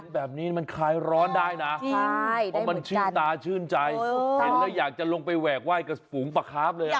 แบบนี้มันคลายร้อนได้นะเพราะมันชื่นตาชื่นใจเห็นแล้วอยากจะลงไปแหวกไห้กับฝูงปลาคาฟเลย